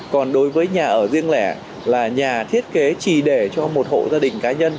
còn đối với nhà ở riêng lẻ là nhà thiết kế chỉ để cho một hộ gia đình cá nhân